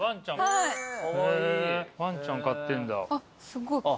ワンちゃん飼ってんだ。